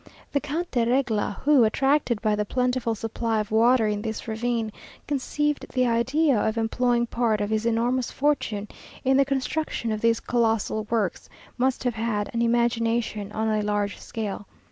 The Count de Regla, who, attracted by the plentiful supply of water in this ravine, conceived the idea of employing part of his enormous fortune in the construction of these colossal works, must have had an imagination on a large scale.